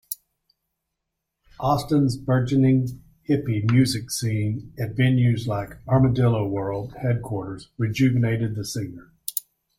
Austin's burgeoning hippie music scene at venues like Armadillo World Headquarters rejuvenated the singer.